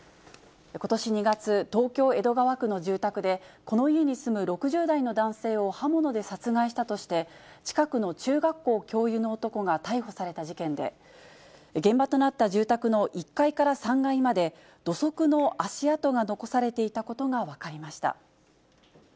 ことし２月、東京・江戸川区の住宅で、この家に住む６０代の男性を刃物で殺害したとして、近くの中学校教諭の男が逮捕された事件で、現場となった住宅の１階から３階まで、土足の足跡が残されていたことが分かりました。